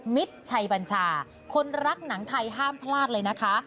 มิตรชัยบัญชาคนรักหนังไทยห้ามพลาดเลยนะคะ